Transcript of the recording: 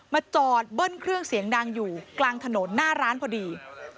จอดเบิ้ลเครื่องเสียงดังอยู่กลางถนนหน้าร้านพอดี